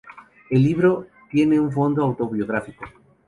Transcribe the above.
El libro tiene un fondo autobiográfico.